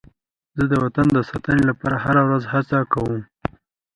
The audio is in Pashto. زه د وطن د ساتنې لپاره هره ورځ هڅه کوم.